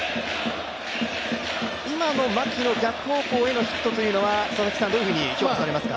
今の牧の逆方向へのヒットというのはどういうふうに評価されますか？